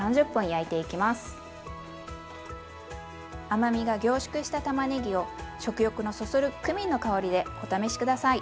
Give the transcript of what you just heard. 甘みが凝縮したたまねぎを食欲のそそるクミンの香りでお試し下さい！